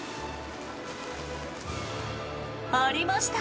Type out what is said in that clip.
ありました！